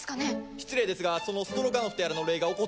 失礼ですがそのストロガノフとやらの霊が怒っています。